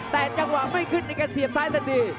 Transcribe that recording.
แต่จังหวะไม่ขึ้นนี่ก็เสียบซ้ายทันที